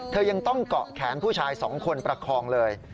ยังต้องเกาะแขนผู้ชาย๒คนประคองเลย